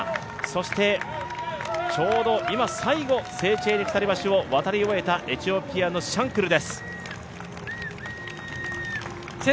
そして、ちょうど今、最後セーチェーニ鎖橋を渡り終えたエチオピアのシャンクルです。